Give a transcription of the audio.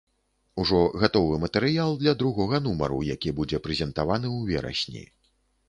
Ужо гатовы матэрыял для другога нумару, які будзе прэзентаваны ў верасні.